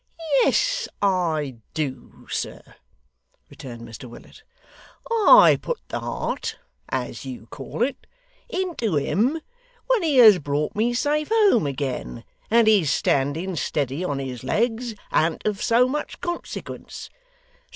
'Yes I do, sir,' returned Mr Willet. 'I put the heart (as you call it) into him when he has brought me safe home again, and his standing steady on his legs an't of so much consequence.